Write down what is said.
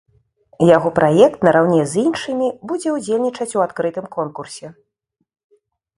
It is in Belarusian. Яго праект нараўне з іншымі будзе ўдзельнічаць у адкрытым конкурсе.